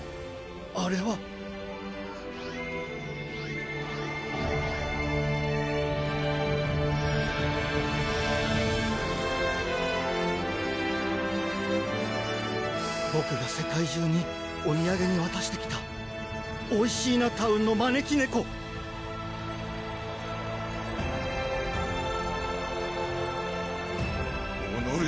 あれはボクが世界中にお土産にわたしてきたおいしーなタウンの招き猫おのれ！